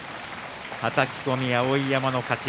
はたき込み、碧山の勝ち。